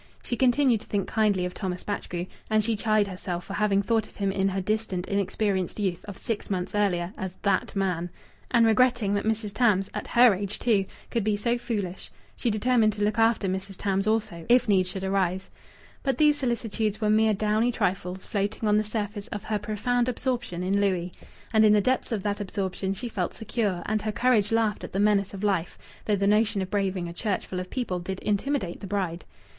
She continued to think kindly of Thomas Batchgrew, and she chid herself for having thought of him in her distant inexperienced youth, of six months earlier, as that man. And, regretting that Mrs. Tams at her age, too! could be so foolish, she determined to look after Mrs. Tams also, if need should arise. But these solicitudes were mere downy trifles floating on the surface of her profound absorption in Louis. And in the depths of that absorption she felt secure, and her courage laughed at the menace of life (though the notion of braving a church full of people did intimidate the bride).